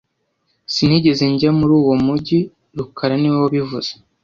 Sinigeze njya muri uwo mujyi rukara niwe wabivuze